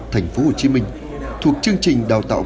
tp hcm thuộc chương trình đào tạo